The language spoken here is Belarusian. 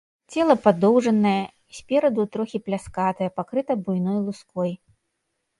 Цела падоўжанае, спераду трохі пляскатае, пакрыта буйной луской.